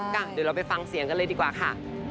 เดี๋ยวเราไปฟังเสียงกันเลยดีกว่าค่ะ